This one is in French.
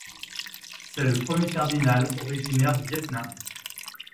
C'est le premier cardinal originaire du Vietnam.